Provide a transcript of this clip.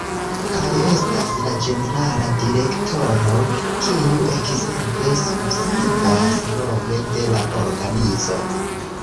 Kaj estas la ĝenerala direktoro kiu ekzemple subskribas nome de la organizo.